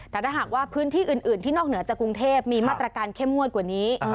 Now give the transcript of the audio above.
แต่ถ้าหากว่าพื้นที่อื่นที่นอกเหนือจากกรุงเทพมีมาตรการเข้มงวดกว่านี้